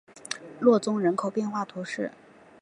洛宗人口变化图示